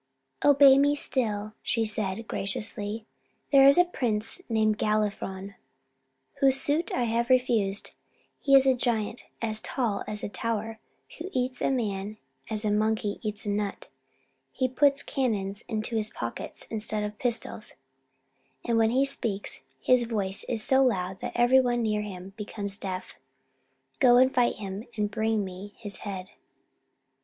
"Obey me still," she said graciously. "There is a prince named Galifron, whose suit I have refused. He is a giant as tall as a tower, who eats a man as a monkey eats a nut: he puts cannons into his pockets instead of pistols; and when he speaks, his voice is so loud that every one near him becomes deaf. Go and fight him, and bring me his head."